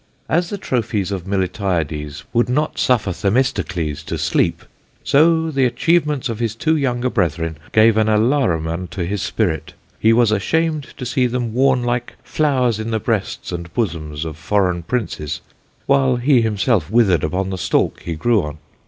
As the Trophies of Miltiades would not suffer Themistocles to sleep; so the Atchievements of his two younger brethren gave an Alarum unto his spirit. He was ashamed to see them worne like Flowers 'in the Breasts and Bosomes of forreign Princes, whilst he himself withered upon the stalk he grew on'.